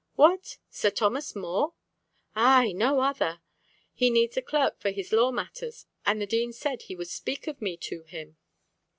"What! Sir Thomas More?" "Ay, no other. He needs a clerk for his law matters, and the Dean said he would speak of me to him.